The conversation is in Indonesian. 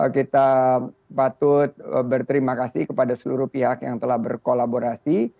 kita patut berterima kasih kepada seluruh pihak yang telah berkolaborasi